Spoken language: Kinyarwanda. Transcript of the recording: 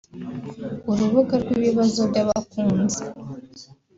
urubuga rw’ibibazo by’abakunzi